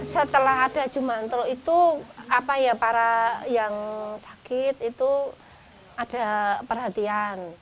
setelah ada jumantrok itu para yang sakit itu ada perhatian